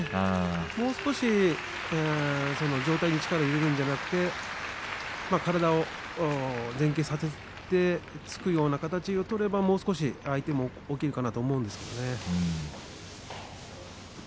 もう少し上体に力を入れるのではなくて体を前傾させて突くような形を取ればもう少し相手も起きるのではないかと思いました。